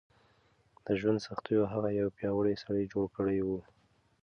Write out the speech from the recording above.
د ژوند سختیو هغه یو پیاوړی سړی جوړ کړی و.